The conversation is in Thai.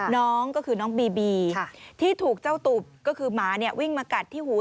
น้องก็คือน้องบีบีที่ถูกเจ้าตุบก็คือหมาเนี่ยวิ่งมากัดที่หู